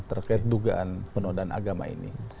terkait dugaan penodaan agama ini